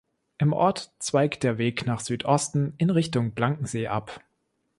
Im Ort zweigt der Weg nach Südosten in Richtung Blankensee ab.